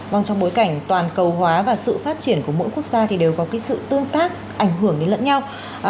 vâng trong bối cảnh toàn cầu hóa và sự phát triển của mỗi quốc gia thì đều có sự tương tác ảnh hưởng đến lẫn nhau